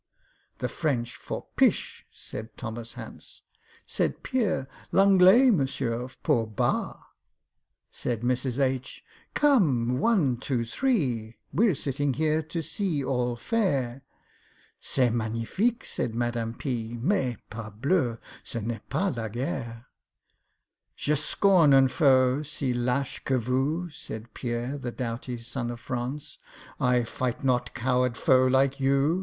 "The French for 'Pish'" said THOMAS HANCE. Said PIERRE, "L'Anglais, Monsieur, pour 'Bah.'" Said MRS. H., "Come, one! two! three!— We're sittin' here to see all fair." "C'est magnifique!" said MADAME P., "Mais, parbleu! ce n'est pas la guerre!" "Je scorn un foe si lache que vous," Said PIERRE, the doughty son of France. "I fight not coward foe like you!"